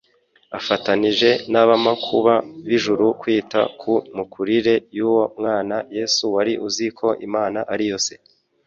afatanije n'abamakuka b'ijuru kwita ku mikurire y'uwo mwana Yesu wari uzi ko Imana ari yo Se.